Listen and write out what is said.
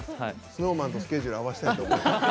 ＳｎｏｗＭａｎとスケジュール合わせたいと思います。